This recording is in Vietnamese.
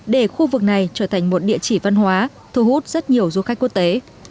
để khu vực này trở thành một địa chỉ văn hóa thu hút rất nhiều du khách quốc tế